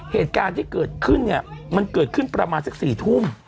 เหตุการณ์ที่เกิดขึ้นเนี่ยมันเกิดขึ้นประมาณสัก๔ทุ่ม